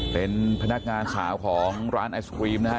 เป็นพนักงานสาวของร้านไอศครีมนะฮะ